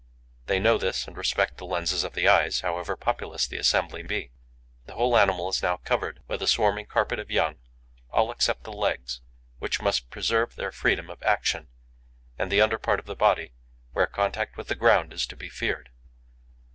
They know this and respect the lenses of the eyes, however populous the assembly be. The whole animal is now covered with a swarming carpet of young, all except the legs, which must preserve their freedom of action, and the under part of the body, where contact with the ground is to be feared.